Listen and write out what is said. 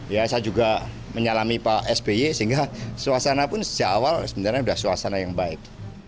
ya saya juga menyalami pak sby sehingga suasana pun sejak awal sebenarnya sudah suasana yang baik